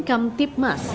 bapak bint kamtip mas